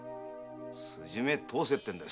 筋目通せってんだ。